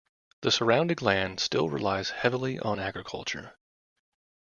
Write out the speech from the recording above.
The surrounding land still relies heavily on agriculture.